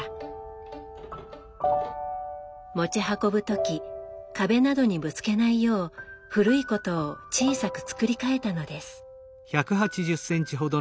持ち運ぶ時壁などにぶつけないよう古い箏を小さく作り替えたのです。